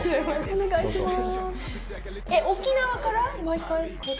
お願いします。